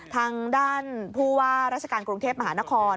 ทางด้านผู้ว่าราชการกรุงเทพมหานคร